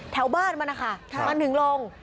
แถวบ้านมันนะคะมันถึงลง